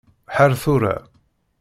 Ḥeṛṛ tura.